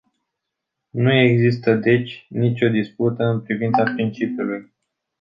Nu există deci nicio dispută în privința principiului.